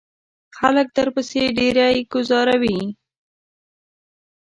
خلک درپسې ډیری گوزاروي.